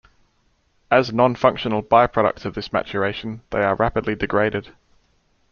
As non-functional by-products of this maturation, they are rapidly degraded.